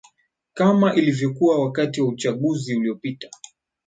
kama ilivyokuwa wakati wa uchaguzi uliopita